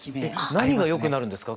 何がよくなるんですか？